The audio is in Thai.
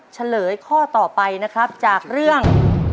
เฉลยข้อต่อไปนะครับจากเรื่อง